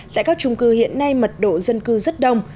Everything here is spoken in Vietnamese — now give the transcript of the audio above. tại các trung cư hiện nay mật độ dân cư rất đông